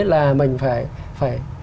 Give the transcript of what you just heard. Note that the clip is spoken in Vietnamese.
là mình phải